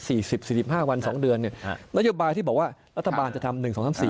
อีกสัก๔๐๔๕วัน๒เดือนเรียบร้อยที่บอกว่ารัฐบาลจะทำ๑๒๓๔